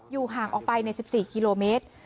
ห่างออกไปใน๑๔กิโลเมตร